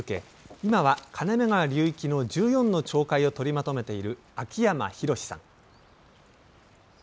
今は金目川流域の１４の町会をとりまとめている秋山博さん。